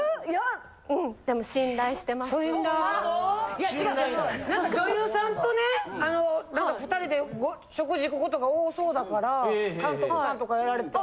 いや違う女優さんとね２人で食事行くことが多そうだから監督さんとかやられてたら。